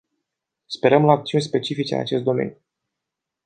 Sperăm la acțiuni specifice în acest domeniu.